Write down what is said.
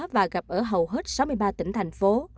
và gặp ở hầu hết sáu mươi ba tỉnh thành phố